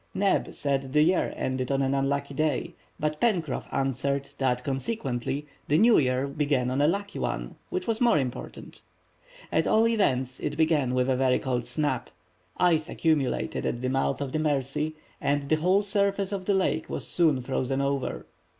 Neb said the year ended on an unlucky day, but Pencroff answered that consequently the new year began on a lucky one, which was more important. At all events, it began with a very cold snap. Ice accumulated at the mouth of the Mercy, and the whole surface of the lake was soon frozen over.